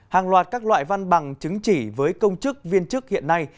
hàng loạt các loại văn bằng chứng chỉ với công chức viên chức hiện nay